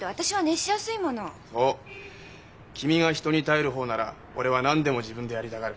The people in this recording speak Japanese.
君が人に頼る方なら俺は何でも自分でやりたがる。